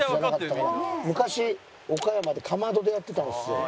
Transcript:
昔岡山で釜戸でやってたんですよ。